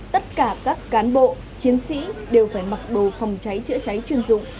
tất cả các cán bộ chiến sĩ đều phải mặc đồ phòng cháy chữa cháy chuyên dụng